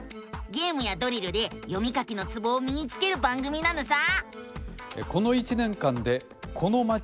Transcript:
ゲームやドリルで読み書きのツボをみにつける番組なのさ！